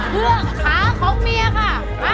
เรื่องขาของเมียค่ะ